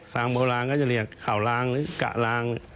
โบราณก็จะเรียกข่าวลางหรือกะลาง